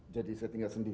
jadi saya tinggal sendiri